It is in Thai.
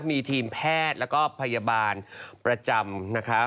มีทีมแพทย์แล้วก็พยาบาลประจำนะคะ